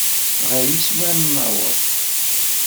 Ɣer yiswi ad naweḍ.